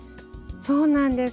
そうなんです。